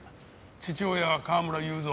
父親は川村雄三。